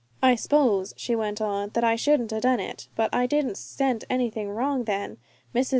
"I s'pose," she went on, "that I shouldn't a' done it, but I didn't scent anything wrong then. Mrs.